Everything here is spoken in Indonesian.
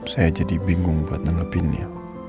saya jadi bingung buat nengepinnya